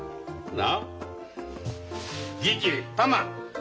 な！